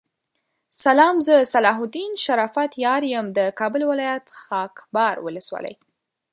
سلام زه صلاح الدین شرافت یار یم دکابل ولایت خاکحبار ولسوالی